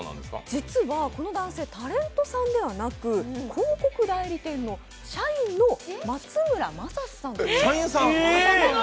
実はこの男性、タレントさんではなく広告代理店の社員の松村雅史さんという。